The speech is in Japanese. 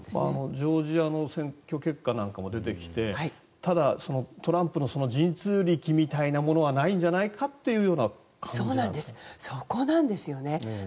ジョージアの選挙結果なんかも出てきてただ、トランプの神通力みたいなものはないんじゃないかって感じなんですか。